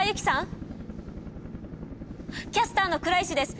キャスターの倉石です。